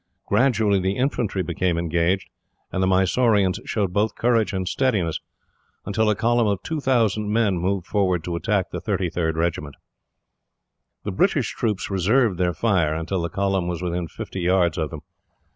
Gradually the infantry became engaged, and the Mysoreans showed both courage and steadiness, until a column of two thousand men moved forward to attack the 33rd Regiment. The British troops reserved their fire, until the column was within fifty yards of them.